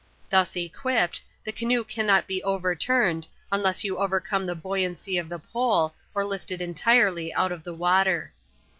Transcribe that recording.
Thus equipped, the canoe cannot be overturned, unless you overcome the buoyancy of the pole, or lift it entirely out of the water.